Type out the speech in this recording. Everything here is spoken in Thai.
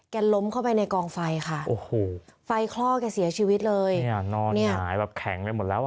ล้มเข้าไปในกองไฟค่ะโอ้โหไฟคลอกแกเสียชีวิตเลยเนี่ยนอนหงายแบบแข็งไปหมดแล้วอ่ะ